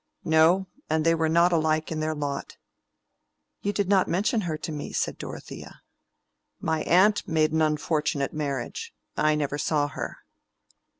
"No. And they were not alike in their lot." "You did not mention her to me," said Dorothea. "My aunt made an unfortunate marriage. I never saw her."